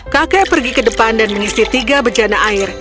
kakek pergi ke depan dan mengisi tiga bejana air